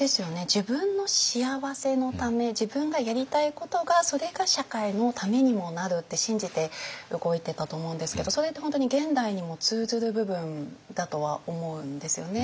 自分の幸せのため自分がやりたいことがそれが社会のためにもなるって信じて動いてたと思うんですけどそれって本当に現代にも通ずる部分だとは思うんですよね。